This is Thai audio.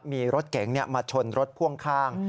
มีรถเก๋งมาชนรถพ่วงข้าง